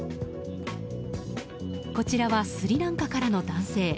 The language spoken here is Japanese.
こちらはスリランカからの男性。